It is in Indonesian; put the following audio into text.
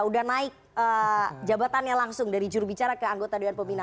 udah naik jabatannya langsung dari jurubicara ke anggota dewan pembina